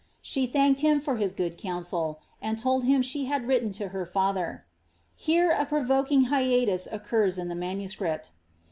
She thanked him for his good counsel, and told him she had written to her father. Here a provoking hiatus occurs in the manuscript.